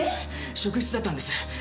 職質だったんです。